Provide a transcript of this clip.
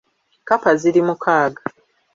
Kkapa ziri mukaaga .